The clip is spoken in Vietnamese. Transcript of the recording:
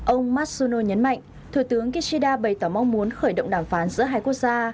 ông matsuno nhấn mạnh thủ tướng kishida bày tỏ mong muốn khởi động đàm phán giữa hai quốc gia